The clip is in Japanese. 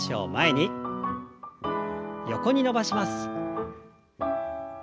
横に伸ばします。